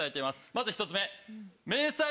まず１つ目。